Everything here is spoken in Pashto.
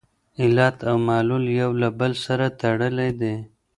علت او معلول یو له بل سره تړلي دي.